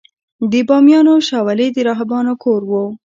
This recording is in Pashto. د بامیانو شاولې د راهبانو کور و